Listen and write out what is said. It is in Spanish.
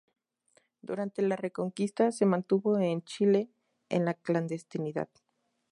Durante la Reconquista, se mantuvo en Chile en la clandestinidad.